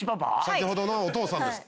先ほどのお父さんです。